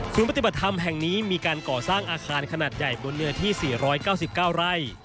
ปฏิบัติธรรมแห่งนี้มีการก่อสร้างอาคารขนาดใหญ่บนเนื้อที่๔๙๙ไร่